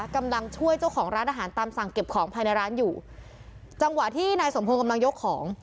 กำลังช่วยเจ้าของร้านอาหารตามสั่งเก็บของภายในร้านอยู่จังหวะที่นายสมพงศ์กำลังยกของ